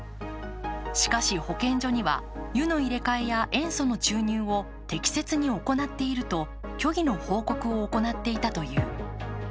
しかし、保健所には湯の入れ替えや塩素の注入を適切に行っていると虚偽の報告を行っていたという。